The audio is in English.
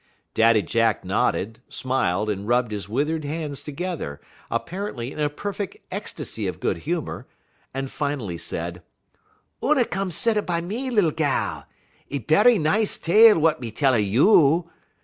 Daddy Jack nodded, smiled, and rubbed his withered hands together apparently in a perfect ecstasy of good humor, and finally said: "Oona come set a by me, lil gal. 'E berry nice tale wut me tell a you.